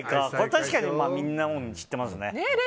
確かにみんな知ってますね。